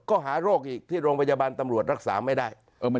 ก็หาโรคอีกที่โรงพยาบาลตำรวจรักษาไม่ได้